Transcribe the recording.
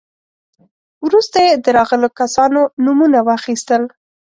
وروسته يې د راغلو کسانو نومونه واخيستل.